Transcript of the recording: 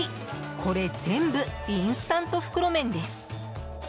これ全部、インスタント袋麺です。